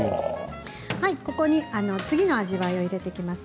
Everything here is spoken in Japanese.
ここに次の味わいを入れていきます。